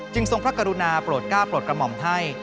ทรงพระกรุณาโปรดก้าวโปรดกระหม่อมให้